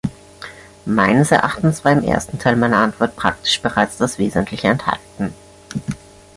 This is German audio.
Meines Erachtens war im ersten Teil meiner Antwort praktisch bereits das Wesentliche enthalten.